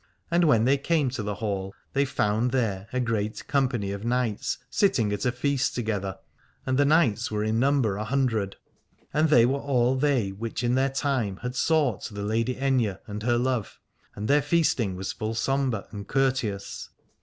And when they came to the hall they found there a great company of knights sitting at feast together: and the knights were in number a hundred, 266 Aladore and they were all they which in their time had sought the Lady Aithne and her love, and their feasting was full sombre and courteous.